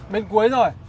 bên cuối rồi